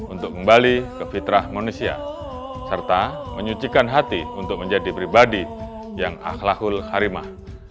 untuk kembali ke fitrah manusia serta menyucikan hati untuk menjadi pribadi yang akhlakul karimah